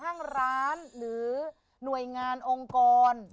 ห้างร้านหรือหน่วยงานองค์กร